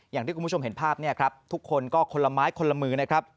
อย่างที่คุณผู้ชมเห็นภาพเนี่ยครับทุกคนก็คนละไม้คนละมือนะครับ